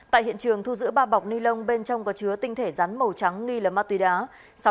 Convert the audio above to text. tại hiện trường thu giữ ba bọc ni lông bên trong có chứa tinh thể rắn màu trắng nghi là ma túy đá